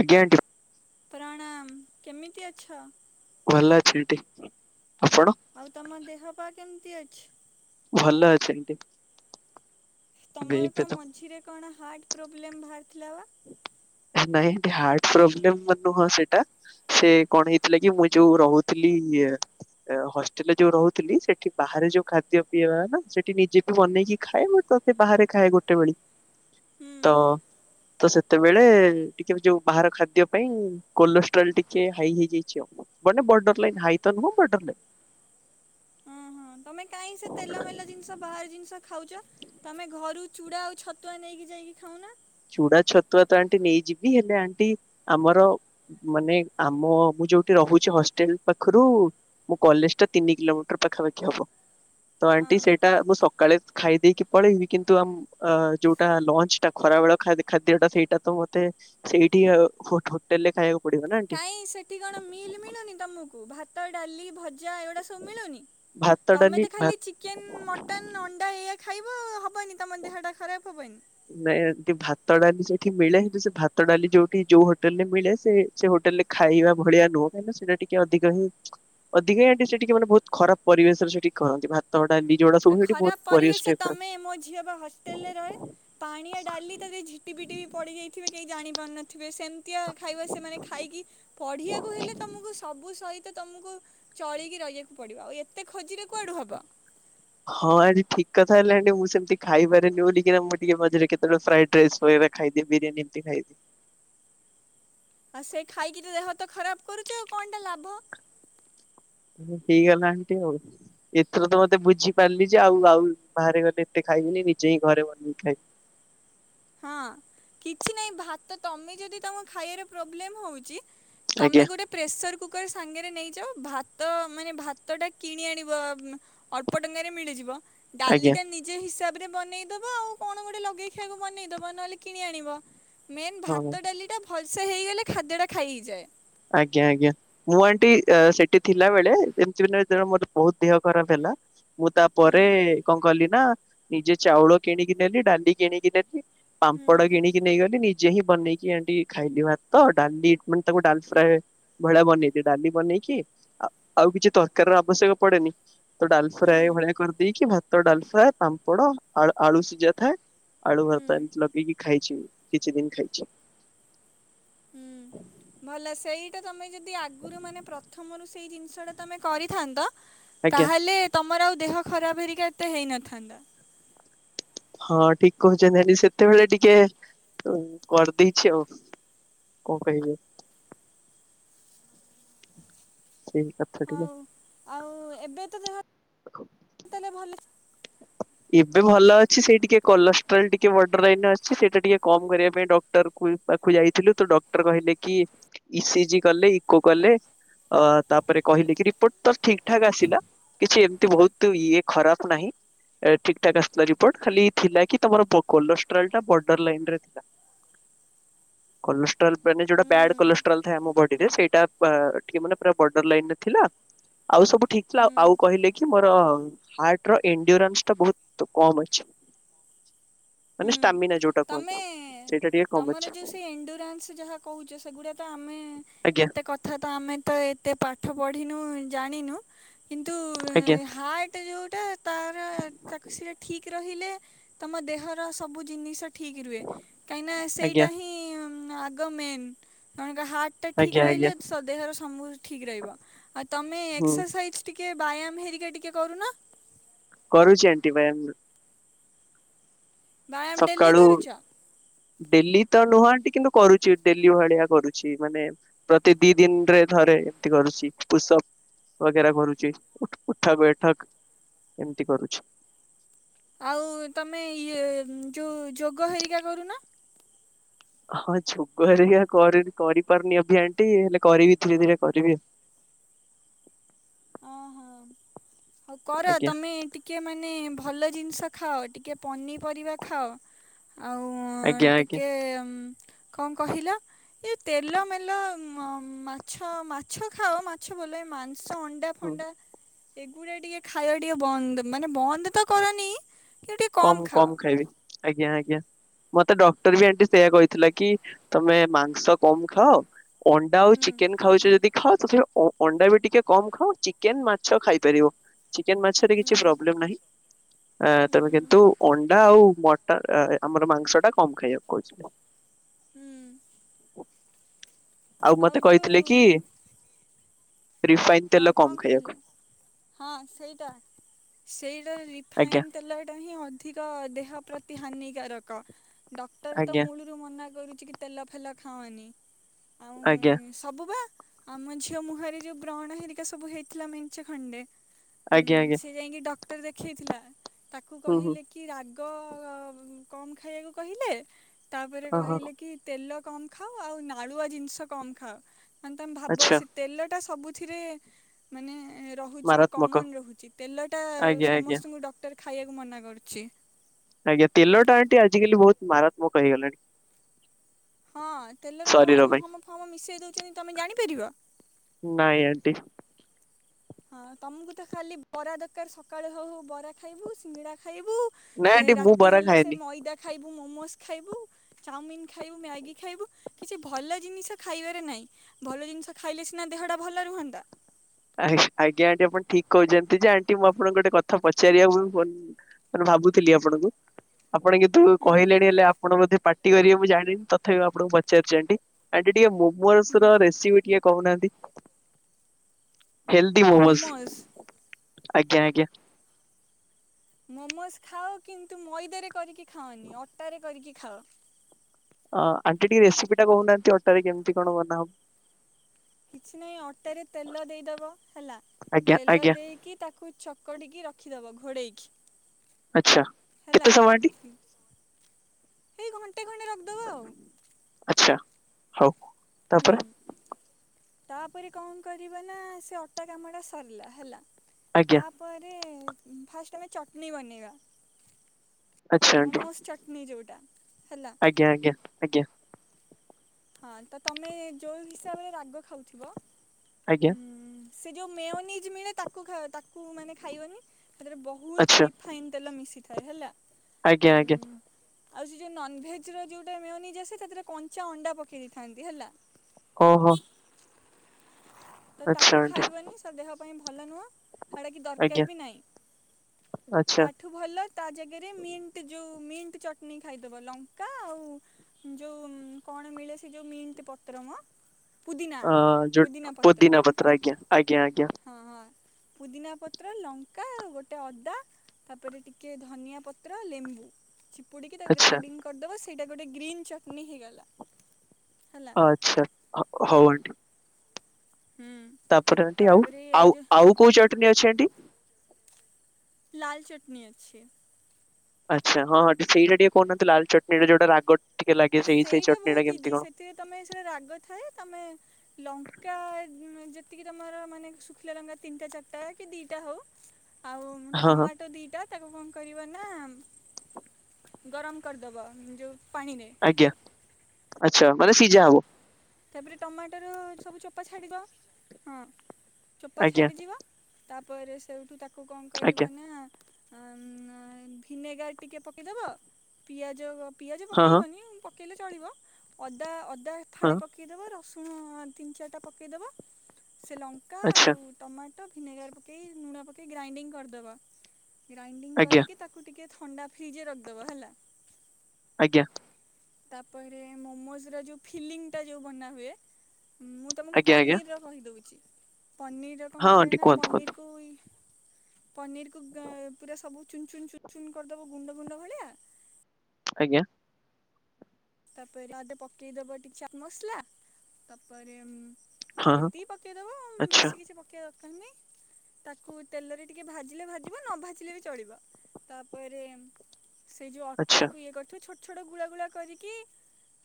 ଆଜ୍ଞା ଆଜ୍ଞା। ପ୍ରଣାମ କେମିତି ଅଛ? ଭଲ ଅଛି ଏଟି ଆପଣ? ଆଉ ତମ ଦେହ ପା କେମିତି ଅଛି? ଭଲ ଅଛି ଏମତି। ତମର ଏକ ମଝିରେ କଣ ହାର୍ଟ ପ୍ରୋବ୍ଲେମ ବାହାରିଥିଲା ବା? ନାଇଁ ହାର୍ଟ ପ୍ରୋବ୍ଲେମ ନୁହଁ ସେଇଟା। ସେ କଣ ହେଇଥିଲା କି ମୁଁ ଯୋଉ ରହୁଥିଲି ଇ ହଷ୍ଟେଲରେ ଯୋଉ ରହୁଥିଲି ସେଠି ବାହାରେ ଯୋଉ ଖାଦ୍ୟ ପିଇବା ନା ସେଠି ନିଜେ ବି ବନେଇକି ଖାଏ ବଟ ସେ ବାହାରେ ଖାଏ ଗୋଟେବେଳି। [inaudible] ତ ତ ସେତେବେଳେ ଟିକେ ଯୋଉ ବାହାର ଖାଦ୍ୟ ପାଇଁ କୋଲେଷ୍ଟ୍ରୋଲ ଟିକେ ହାଇ ହେଇଥାଇଚି ଆଉ। ବ ବୋର୍ଡର ଲାଇନ ହାଇ ତ ନୁ ବୋର୍ଡର ଲାଇନ। ହ ହଁ ତମେ କାହିଁ ସେ ତେଲ ମେଲ ଜିନିଷ ବାହାର ଜିନିଷ ଖାଉଚ। ତମେ ଘରୁ ଚୁଡ଼ା ଆଉ ଛତୁଆ ନେଇକି ଯାଇକି ଖାଉନା। ଚୁଡା ଛତୁଆ ତ ଆଣ୍ଟି ନେଇଯିବି। ହେଲେ ଆଣ୍ଟି ଆମର ମାନେ ଆମ ମୁଁ ଯୋଉଠି ରହୁଛି ହଷ୍ଟେଲ ପାଖରୁ ମୋ କଲେଜ ଟା ତିନି କିଲୋମିଟର ପାଖାପାଖି ହବ ତ ଆଣ୍ଟି ହଁ ସେଇଟା ମୁଁ ସକାଳେ ଖାଇ ଦେଇେଇକି ପଳେଇବି କିନ୍ତୁ ଆମ ଯୋଉଟା ଲଞ୍ଚ ଟା ଖରା ବେଳ ଖାଦ୍ୟ ଟା ସେଇଟା ତ ମତେ ସେଇଠି ହୋଟ ହୋଟେଲ ରେ ଖାଇବାକୁ ପଡିବ ନା ଆଣ୍ଟି କାଇ ସେଠି କଣ ମିଲ୍ ମିଳୁନି ତମକୁ ଭାତ, ଡାଲି, ଭଜା ଏଗୁଡ଼ା ସବୁ ମିଳୁନି? ଭାତ ଡାଲି ତମେ ତ ଖାଲି ଚି କେନ୍, ମଟନ୍, ଅଣ୍ଡା ଏଇଆ ଖାଇବ ହେବନି ତମ ଦେହଟା ଖରାପ ହେବନି। ନାଇଁ ଏଠି ଭାତ ଡାଲି ସେଠି ମିଳେ। କିନ୍ତୁ ସେ ଭାତ ଡାଲି ଯୋଉଠି ଯୋଉ ହୋଟେଲରେ ମିଳେ ସେ- - ସେ ହୋଟେଲରେ ଖାଇବା ଭଳିଆ ନୁହଁ। କାହିଁକି ନା ସେଟା ଟିକେ ଅଧିକା ହିଁ ଅଧିକା ଏଠି ସେଠି କେବଳ ମାନେ ବହୁତ ଖରାପ ପରିବେଶରେ ସେଠି କରନ୍ତି। ଭା ତ, ଡାଲି ଯୋ - - ଖରାପ ପରିବେଶ ତମେ ମୋ ଝିଅ ବା ହଷ୍ଟେଲରେ ରହେ। ପାଣିଆ ଡାଲି ତା ଦିହରେ ଝିଟି ପିଟି ବି ପଡି ଯାଇଥିବେ। କେହି ଜାଣିପାରୁନଥିବେ ସେମିତିଆ ଖାଇବା ସେମାନେ ଖାଇକି - - ପଢିଆକୁ ହେଲେ ତମକୁ ସବୁ ସହିତ ତମକୁ - - ଚଳିକି ରହିଆକୁ ପଡିବ। ଆଉ ଏତେ ଖୋଜିଲେ କୁଆଡୁ ହବ। ହଁ ଅଣ୍ଟି ଠିକ କଥା ହେଲେ ଅଣ୍ଟି ମୁଁ ସେମିତି ଖାଇପାରେନି ବୋଲି କାହିକି ନା ମୁଁ ଟିକେ ମଝରେ କେତେବେଳେ ଫ୍ରାଇଡ୍ ପ୍ରେସ ଫଇର ଖାଇ ଦିଏ ବିରିୟାନୀ ଏମିତି ଖାଇଦି - - ଆଉ ସେ ଖାଇକିରି ଦେହ ତ ଖରାପ କରୁଚ ଆଉ କଣଟା ଲାଭ। ଠିକ ହେଲାନି ଆଣ୍ଟି ଆଉ। ଏଥର ତ ମତେ ବୁଝିପାରିଲି ଯେ ଆଉ ଆଉ ବାହାରେ ଗଲେ ଏତେ ଖାଇବିନି ନିଜେ ହିଁ ଘରେ ବନେଇକି ଖାଇବି। ହଁ, କିଛି ନାହିଁ ଭାତ ତମେ ଯଦି ତମ ଖାଇଆରେ ପ୍ରୋବ୍ଲେମ ହଉଚି ତମେ ଆଜ୍ଞା ଗୋଟେ - - ପ୍ରେସର କୁକର ସାଙ୍ଗରେ ନେଇଯାଅ ଭାତ ମାନେ ଭାତ ଟା କିଣି ଆଣିବ- - ଅଳ୍ପ ଟଙ୍କାରେ ମିଳିଯିବ ଡାଲି ଆଜ୍ଞା ଟା ନିଜ ହିସାବରେ ବନେଇ ଦବ ଆଉ କଣ ଗୋଟେ ଲଗେଇ ଖାଇବ। ବନେଇଦବ ନହେଲେ କିଣି ଆଣିବ ମେନ୍ ହଁ। ଭାତ ଡାଲିଟା ଭଲସେ ହେଇଗଲେ ଖାଦ୍ୟଟା ଖାଇ ହେଇଯାଏ। ଆଜ୍ଞା ଆଜ୍ଞା। ମୁଁ ଆଣ୍ଟି ଏଁ। ସେଠି ଥିଲା ବ। ଳେ ଏମିତି ବି ଦେହ ମୋର ବହୁତ ଦେହ ଖରାପ ହେଲା ମୁଁ ହୁଁ ତାପରେ କଣ କଲିି ନା ନିଜେ ଚାଉଳ କିଣିକି ନେଲି। ଡାଲି କିଣିକି ନେଲି। ହୁଁ ପାମ୍ପଡ କିଣିକି ନେଇ ଗଲି ନିଜେ ହିଁ ବନେଇକି ଆଣ୍ଟି ଖାଇଲି ଭାତ ଡାଲି ମାନେ ତାକୁ ଡାଲ ଫା ଫ୍ରାଏ ଭଳିଆ ବନେଇଛି ଡାଲି ବନେଇକି ଆ ଆଉ କିଛି ତରକାରୀର ଆବଶ୍ୟକ ପଡେନି। ତ ଡାଲ ଫ୍ରାଏ ହୁଁ ଭଳିଆ କରିଦେଇକି ଭାତ ଡାଲ ଫ୍ରାଏ ପାମ୍ପଡ ଆଳ ଆଳୁ ସିଝା ଥାଏ ଆଳୁ ହୁଁ ଭର୍ତ୍ତା ଏମିତି ଲଗେଇକି ଖାଇଛି କିଛି ଦିନ ଖାଇଛି। ହୁଁ। ଭଲ ସେଇଟା ତମେ ଯଦି ଆଗରୁ ମାନେ ପ୍ରଥମରୁ ସେଇ ଜିନିଷଟା ତମେ କରିଥାନ୍ତ ଆଜ୍ଞା ତାହେଲେ ତମର ଆଉ ଦେହ ଖରାପ ହେରିକି ଏତେ ହେଇନଥାନ୍ତା। ହଁ ଠିକ୍ କହୁଛନ୍ତି ଆଣ୍ଟି ସେତେବେଳେ ଟିକେ ଉଁ କରିଦେଇଛି ଆଉ କଣ କହିବି ଆଉ? ସେଇ କ ହଉ ଆଉ ଏବେ ତ ଦେହ ଦେଖ ତା ହେଲେ ଭଲ କି ଏବେ ଭଲ ଅଛି ସେଇ ଟିକେ କୋଲଷ୍ଟ୍ରୋଲ ଟିକେ ବର୍ଡର ଲାଇନ୍ ରେ ଅଛି ସେଇଟା ଟିକେ କମ୍ କରିବା ପାଇଁ ଡକ୍ଟରକୁ ବି ପାଖକୁ ଯାଇଥିଲୁ ତ ଡକ୍ଟର କହିଲେ କି ଇ ସି ଜି କଲେ ଇ କୋ କଲେ ଅ ତାପରେ କହିଲେ କି ରିପୋର୍ଟ ତ ଠିକ୍ ଠାକ୍ ଆସିଲା। କିଛି ଏମିତି ବହୁତ ଇଏ ଖରାପ୍ ନାହିଁ। ଏ ଠିକ୍ ଠାକ୍ ଆସିଥିଲା ରିପୋର୍ଟ ଖାଲି ଥିଲା କି ତମର ପୋ କୋଲଷ୍ଟ୍ରୋଲ ଟା ବର୍ଡର ଲାଇନ୍ ରେ ଥିଲା। [unintelligible] କୋଲଷ୍ଟ୍ରୋଲ ମାନେ ଯୋଉଟା ବ୍ୟାଡ୍ ହୁଁ କୋଲଷ୍ଟ୍ରୋଲ ଥାଏ ଆମ ବ ଡି ରେ ସେଇଟା ପା ଟିକେ ମାନେ ପୁରା ବର୍ଡର ଲାଇନ୍ ରେ ଥିଲା। ଆଉ ସବୁ ଠିକ୍ ଥିଲା ହୁଁ ଆଉ କହିଲେ କି ମୋର ହାର୍ଟର ଏଣ୍ଡିଓରାମ ତ ବହୁତ କମ୍ ଅଛି। ମାନେ ହୁଁ ଷ୍ଟାମିନା ଯୋଉଟା କୁହନ୍ତି। ତମେ ସେଇଟା ଟିକେ କମ ଅଛି ତମର ଯୋଉ ସେ ଏଣ୍ଡୁରାନ୍ସ ଯାହା କହୁଛ ସେଗୁଡା ତ ଆମେ ଆଜ୍ଞା ଏତେ କ ଥା ତ ଆମେ ତ ଏତେ ପାଠ ପଢିନୁ ଜାଣିନୁ କିନ୍ତୁ ଆଜ୍ଞା ହାର୍ଟ ହାର୍ଟ ଯୋଉଟା ତାର ତାକୁ ସେଇଟା ଠିକ୍ ରହିଲେ ତମ ଦେହର ସବୁ ଜିନିଷ ଠିକ୍ ରୁହେ କାହିଁକି ନା ଆଜ୍ଞା ସେଇଟା ହିଁ ଆଗ ମେନ୍ ଜଣଙ୍କ ହାର୍ଟ ଟା ଠିକ୍ ଆଜ୍ଞା ଆଜ୍ଞା ରହିଲେ ସ ଦେହର ସମୁଁ ଠିକ୍ ରହିବ ଆଉ ତମେ ହୁଁ ଏକ୍ସରସାଇଜ୍ ଟିକେ ବାୟ୍ଯାମ ହେରିକା ଟିକେ କରୁନ? କରୁଛି ଆଣ୍ଟି ବାୟ୍ଯାମ ବ୍ୟାୟାମ ଡେଲି ସକାଳୁ। କରୁଛ? ଡେଲି ତ ନୁହଁ ଆଣ୍ଟି କିନ୍ତୁ କରୁଛି ଡେଲି ଭଳିଆ କରୁଛି ମାନେ ପ୍ରତି ଦି ଦିନରେ ଥରେ ଏମତି କରୁଛି ପୁଷପ ବଗେରା କରୁଛି ଉଠ ଉଠକ ବୈଠକ ଏମିତି କରୁଛି। ଆଉ ତମେ ଇଏ ଯୋଉ ଯୋଗ ହେରିକା କରୁନ? ହଁ ଯୋଗ ହେରିକା କରିବି କରିପାରୁନି ଅଭି ଆଣ୍ଟି ହେଲେ କରିବି ଧୀରେ ଧୀରେ କରିବି। ଓ ହୋ ହଉ କର ଆଜ୍ଞା ତମେ ଟି ଟିକେ ମାନେ ଭଲ ଜିନିଷ ଖାଅ ଟିକେ ପନିପରିବା ଖାଅ। ଆଉ ଆଜ୍ଞା ଆଜ୍ଞା ଟିକେ କଣ କହିଲ ଏ ତେଲ ମେଲ ମ ମାଛ ମାଛ ଖାଅ ମାଛ ବୋଲେ ମାଂସ ତ ଅଣ୍ଡା ହୁଁ ଫଣ୍ଡା ଏଗୁଡା ଟିକେ ଖାଇବା ଟିକେ ବନ୍ଦ ମାନେ ବନ୍ଦ ତ କରନି। କିନ୍ତୁ ଟିକେ କମ୍ ଖାଅ କମ୍ ଖାଇବି ଆଜ୍ଞା ଆଜ୍ଞା। ମତେ ଡକ୍ଟର ବି ଆଣ୍ଟି ସେଇଆ କହିଥିଲା କି ତମେ ମାଂସ କମ୍ ଖାଅ ଅଣ୍ଡା ଆଉ ହୁଁ। ଚିକେନ ଖାଉଛ ଯଦି ହଁ ଅଥଚ ଅଣ୍ଡାବି ଟିକେ କମ ଖାଅ ଚିକେନ ମାଛ ଖାଇପାରିବ। ଚିକେନ ମାଛରେ କିଛି ହୁଁ ପ୍ରୋବ୍ଲେନାହିଁ ହୁଁ ତମେ କିନ୍ତୁ ଅଣ୍ଡା ଆଉ ମଟନ ଅ ଏ ଆମର ମାଂସଟା କମ ଖାଇବାକୁ କହୁଚିମ। ଉୁଁ। ଆଉ ମତେ ଯୋଉ କହିଥିଲେକି? ହଁ କମ କଣ କହିଲେ ଖାଇବାକୁ ହଁ ସେଇଟା ସେଇଟାରେବି? ଆଜ୍ଞା ରିଫାଇନ ତେଲଟାହିଁ ଅଧିକ ଦେହ ପ୍ରତି ହାନିକାରକ ଡକ୍ଟରତ ଆଜ୍ଞା ମୂଳୁ ରୁ ମନା କରୁଛିକି ତେଲ ଫେଲ ଖାଅନି ଆଉ ଉୁଁ ଆଜ୍ଞା ଉୁଁ। ସବୁବା ଆମ ଝିଅ ମୁହଁରେ ଯେଉଁ ବ୍ରଣ ହେରିକା ସବୁ ହେଇଥିଲା ମେଞ୍ଚେ ଖଣ୍ଡେ ହୁଁ ଆଜ୍ଞା ଆଜ୍ଞା ସେ ଯାଇଁକି ଡକ୍ଟର ଦେଖେଇଥିଲା ତାକୁ ହୁଁ ହୁଁ କହିଲେ କିରାଗ କମ ଖାଇବାକୁ କହିଲେ ତାପରେ ଓହୋ କହିଲେକି ତେଲ କମ ଖାଅ ଆଉ ନାଳୁଆ ଜିନିଷ କମ ଖାଅ ମାନେ ତମେ ଭାବ ଆଚ୍ଛା ସେ ତେଲଟା ସବୁ ଏଥିରେ ମାନେ ରହୁଛି ମାରାତ୍ମକ କମନ ରହୁଛି ତେଲଟା ଆଜ୍ଞା ଆଜ୍ଞା ସମସ୍ତଙ୍କୁ ଡ କ୍ଟର ଖାଇବାକୁ ମନା କରୁଛି। ଆଜ୍ଞା ତେଲଟା ଆଣ୍ଟି ଆଜିକାଲି ବହୁତ ମାରାତ୍ମକ ହେଇଗଲାଣି। ହଁ ତେଲରେ ଶରୀର କଣ ପାଇଁ। ମହମ ଫହମ ମିଶେଇ ଦଉଛନ୍ତି ତମେ ଜାଣିପାରିବ। ନାଇଁ ଆଣ୍ଟି। ହଁ ତମକୁତ ଖାଲି ବରା ଦରକାର ସକାଳୁ ହଉ ହଉ ବରା ଖାଇବୁ ସିଙ୍ଗଡା ଖାଇବୁ। ନାଇଁ ହେ ଆଣ୍ଟି ମୁଁ ରାତି ବରା ହେଲେ ସେ ଖାଏନି। ମଇଦା ଖାଇବୁ ମୋମୋସ ଖାଇବୁ। ଚାଓମିିନ ଖାଇବୁ ମ୍ୟାଗି ଖାଇବୁ କିଛି ଭଲ ଜିନିଷ ଖାଇବାରେ ନାହିଁ। ଭଲ ଜିନିଷ ଖାଇଲେ ସିନା ଦେହଟା ଭଲ ରୁହନ୍ତା। ଆ ଆଜ୍ଞା ଆଣ୍ଟି ଆପଣ ଠିକ କହିଛନ୍ତିଯେ ଆଣ୍ଟି ମୁଁ ଆପଣଙ୍କୁ ଗୋଟେ କଥା ପଚାରିବା ପୂର୍ବରୁ ମାନେ ଭାବୁଥିଲି ଆପଣଙ୍କୁ ଆପଣ କେତେ ତୁ ହୁଁ କହିଲେଣି ହେଲେ ଆପଣ ବୋଧେ ପାର୍ଟି କରିବେ ମୁଁ ଜାଣିନି ତଥାପି ଆପଣଙ୍କୁ ପଚାରୁଛି ଆଣ୍ଟି। ଆଣ୍ଟି ଟିକିଏ ହୁଁ ମୋମୋସର ରେସିପି ଟିକିଏ କହୁନାହାନ୍ତି। ହେଲଦି ମୋମୋସ ମୋମୋସ୍ ଆଜ୍ଞା ଆଜ୍ଞା ମୋମୋସ ଖାଅ କିନ୍ତୁ ମଇଦାରେ କରିକି ଖାଅନି ଅଟାରେ କରିକି ଖାଅ। ଅ ଆଣ୍ଟି ଟିକିଏ ରେସିପିଟା କହୁନାହାନ୍ତି ଅଟାରେ କେମିତି କଣ ବନାହବ? କିଛି ନାହିଁ ଅଟାରେ ତେଲ ଦେଇଦବ ହେଲା ଆଜ୍ଞା ତେଲ ଆଜ୍ଞା ଦେଇକି ତାକୁ ଚକ କୁଡିକି ରଖିଦବ ଘୋଡେଇକି। ଆଚ୍ଛା। ହେଲା କେତେ ସମୟ ଆଣ୍ଟି ଏଇ ଘଣ୍ଟେ ଖଣ୍ଟେ ରଖିଦବା ଆଉ। ଆଚ୍ଛା ହଉ ହୁଁ ତାପରେ ତାପରେ କଣ କରିବାନା ସେ ଅଟାକାମଟା ସରିଲା ହେଲା ଆଜ୍ଞା ତା ପରେ ଫାଷ୍ଟ ଆମେ ଚଟନି ବନେଇବା ଆଚ୍ଛା ଆଣ୍ଟି ମୋମସ ଚଟ ଚଟିନ ଯୋଉଟା ହେଲା। ଆଜ୍ଞା ଆଜ୍ଞା ଆଜ୍ଞା। ହଁତ ତମେ ଯୋଉ ହିସାବରେ ରାଗ ଖାଉଥିବ ଆଜ୍ଞା ଉୁଁ। ସେ ଯୋଉ ମେୟୋନିଜ ମିଳେ ତାକୁ ଖା ତାକୁ ମାନେ ଖାଇବନି ସେଥିରେ ବହୁତ ଆଚ୍ଛା ରିଫ ଫାଇନ ତେଲ ମିଶିଥାଏ ହେଲା ଆଜ୍ଞା ଆଜ୍ଞା ଉୁଁ। ଆଉ ସେ ଯୋଉ ନନଭେଜର ଯୋଉଟା ମେୟୋନିଜ ଆସେ ସେଥିରେ କଞ୍ଚା ଅଣ୍ଡା ପକେଇ ଦେଇଥାନ୍ତି ହେଲା। ଓହୋ। ତ ଆଚ୍ଛା ତାକୁ ଆଣ୍ଟି ଖାଇବନି ସେ ଦେହ ପାଇଁ ଭଲ ନୁହଁ। ହେଡାକି ଆଜ୍ଞା ଦରକାରବି ନାଇଁ ଆଚ୍ଛା ତାଠୁ ଭଲ ତାଜାଗାରେ ମିଣ୍ଟି ଯୋଉ ମିଣ୍ଟି ଚଟନୀ ଖାଇଦବ ଲଙ୍କା ଆଉ ଯୋଉ କଣ ମିଳେ ସେ ଯୋଉ ମିଣ୍ଟି ପତ୍ରମ ପୁଦିନା। ହଁ ଯୋ ପୋଦିନା ପତ୍ର ଆଜ୍ଞା, ଆଜ୍ଞା, ଆଜ୍ଞା। ହଁ, ହଁ, ପୁଦିନା ପତ୍ର, ଲଙ୍କା ଗୋଟେ ଅଦା ତାପରେ ଟିକେ ଧନିଆ ପତ୍ର, ଲେମ୍ବୁ ଚିପୁଡିକି ତାକୁ ଆଚ୍ଛା ଗ୍ରାଇଣ୍ଡିଙ୍ଗ କରିଦବ ସେଇଟା ଗୋଟେ ଗ୍ରୀନ ଚଟନୀ ହେଇଗଲା। ଆଚ୍ଛା, ହ-ହଉ ଆଣ୍ଟି। ହୁଁ। ତାପରେ ଆଣ୍ଟି ଆଉ, ତାପରେ ଆଉ, ଯୋଉ ଆଉ କୋଉ ଚଟନୀ ଅଛି ଆଣ୍ଟି? ଲାଲ୍ ଚଟନୀ ଅଛି। ଆଚ୍ଛା ହଁ, ହଁ ଆଣ୍ଟି, ସେଇଟା ଟିକେ କହୁ ନଥିଲେ ଲାଲ୍ ଚଟନୀ ଯୋଉଟା ରାଗ ଟିକେ ଲାଗେ। ସେଇ, ସେଇ ଚଟନୀ ଟା କେମିତି କଣ? ଥି ତମେ ସେଟା ରାଗ ଥାଏ। ତମେ ଲଙ୍କା ଯେତିକି ତମର ମାନେ ଶୁଖିଲା ଲଙ୍କା ତିନିଟା, ଚାରିଟା କି ଦିଟା ହଉ ଆଉ ହଁ ହଁ ଟମାଟୋ ଦିଟା। ତାକୁ କଣ କରିବ ନା ଗରମ କରିଦବ ଯଉ ପାଣିରେ। ଆଜ୍ଞା। ଆଚ୍ଛା, ମାନେ ସିଝା ହବ। ତାପରେ ଟମାଟର ସବୁ ଚୋପା ଛାଡ଼ିବ ହଁ, ଚୋପା ଆଜ୍ଞା ଛାଡ଼ିଯିବ। ତାପରେ, ସେଇଠୁ ତାକୁ କଣ କରିବ ଆଜ୍ଞା ନା ଆମ, ଆ ଭିନେଗାର ଟିକେ ପକେଇଦବ ପିଆଜ, ପିଆଜ ହଁ ହଁ ପକେଇବନି। ପ ପକେଇଲେ ଚଳିବ ଅଦା, ଅଦା ହଁ ଫାଳେ ପ ପକେଇଦବ ରସୁଣ ତିନି, ଚାରିଟା ପକେଇଦବ। ସେ ଲଙ୍କା ଆଚ୍ଛା। ଆଉ ଟମାଟୋ, ଭିନେଗାର ପକେଇ କି ଲୁଣ ପକେଇ ଗ୍ରାଇଣ୍ଡିଂ କରିଦବ, ଗ୍ରାଇଣ୍ଡିଂ ଆଜ୍ଞା କରିକି ତାକୁ ଟିକେ ଥଣ୍ଡା ଫ୍ରିଜରେ ରଖିଦବ, ହେଲା। ଆଜ୍ଞା। ତାପରେ ମମୋଜ୍‌ ର ଯୋଉ ଫିଲିଙ୍ଗ୍ ଟା ଯୋଉ ବନା ହୁଏ। ମୁଁ ତମକୁ ଆଜ୍ଞା ଆଜ୍ଞା ପନିର୍ ର କହିଦଉଛି। ପନିର୍ ର ହଁ କଣ କରିବେ ଆଣ୍ଟି ନା କୁହନ୍ତୁ କୁହନ୍ତୁ ପନିର୍ କୁ ପନିର କୁ ପୁରା ସବୁ ଚୁନ୍‌ଚୁନ୍‌, ଚୁନ୍‌ଚୁନ୍‌ କରିଦବ ଗୁଣ୍ଡ, ଗୁଣ୍ଡ ଭଳିଆ। ଆଜ୍ଞା। ତାପରେ ପକେଇଦବ ଟିକେ ଚାଟ୍ ମସଲା ତାପରେ ହଁ ହଁ ଏତିକି ପକେଇଦବ ଆଚ୍ଛା ବେଶୀ କିଛି ପକେଇବା ଦରକାର ନାହିଁ। ତାକୁ ତେଲରେ ଟିକେ ଭାଜିଲେ ଭାଜିବ ନ ଭାଜିଲେ ବି ଚଳିବ। ତାପରେ ସେ ଯଉ ଆଚ୍ଛା ଅଟାକୁ ଇଏ କରିଥିବ ଛୋଟ, ଛୋଟ ଗୁଳା, ଗୁଳା କରିକି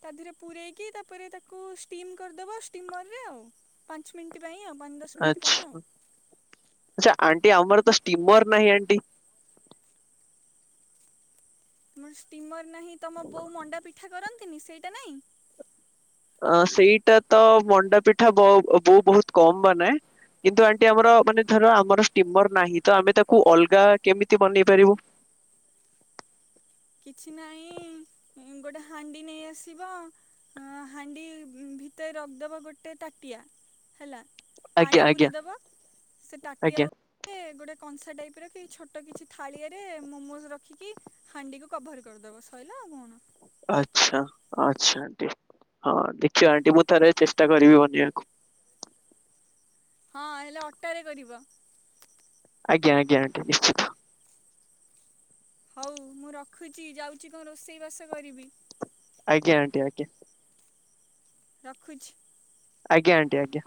ତା ଦେହରେ ପୂରେଇକି ତାପରେ ତାକୁ ଷ୍ଟିମ୍ କରିଦେବ ଷ୍ଟିମର୍ ରେ ଆଉ। ପାଞ୍ଚ ମିନିଟ ପାଇଁ ଆଉ ପାଞ୍ଚ ଦ ଆଚ୍ଛ, ଆଚ୍ଛା ଆଣ୍ଟି ଆମର ତ ଷ୍ଟିମର୍ ନାହିଁ ଆଣ୍ଟି। ତମର ଷ୍ଟିମର୍ ନାହିଁ ତମ ବୋଉ ମଣ୍ଡା ପିଠା କରନ୍ତିନି? ସେଇଟା ନାହିଁ? ଅ ସେଇଟା ତ ମଣ୍ଡା ପିଠା, ବ-ବୋଉ ବହୁତ କମ୍ ବନାଏ। କିନ୍ତୁ ଆଣ୍ଟି ଆମର ମାନେ ଧର, ଆମର ଷ୍ଟିମର୍ ନାହିଁ ତ ଆମେ ତାକୁ ଅଲଗା କେମିତି ବନେଇ ପାରିବୁ? କିଛି ନାହିଁ ଗୋଟେ ହାଣ୍ଡି ନେଇ ଆସିବ। ହଁ ହାଣ୍ଡି ଭିତରେ ରଖିଦେବା ଗୋଟେ ତାଟିଆ ହେଲା। ଆଜ୍ଞା ପାଣି ଆଜ୍ଞା ପୁରେଇଦବ ସେ ଟାଟିଆ ଆଜ୍ଞା ଗୋଟେ କଂସା ଟାଇପ ର କି ଛୋଟ କିଛି ଥାଳିଆ ରେ ମୋମୋଜ ରଖିକି ହାଣ୍ଡି କଭର୍ କରିଦବ ସରିଲ ଆଉ କଣ? ଆଚ୍ଛା, ଆଚ୍ଛା ଆଣ୍ଟି ହଁ ଦେଖିବା ଆଣ୍ଟି ମୁଁ ଥରେ ଚେଷ୍ଟା କରିବି ବନେଇବାକୁ‌। ହଁ ହେଲେ ଅଟାରେ କରିବ। ଆଜ୍ଞା, ଆଜ୍ଞା ଆଣ୍ଟି ନିଶ୍ଚିତ। ହଉ ମୁଁ ରଖୁଚି, ଯାଉଚି କଣ ରୋଷେଇ ବାସ କରିବି। ଆଜ୍ଞା ଆଣ୍ଟି ଆଜ୍ଞା। ରଖୁଛି। ଆଜ୍ଞା ଆଣ୍ଟି ଆଜ୍ଞା।